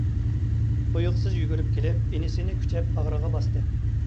تۇيۇقسىز يۈگۈرۈپ كېلىپ، ئىنىسىنى كۈچەپ باغرىغا باستى.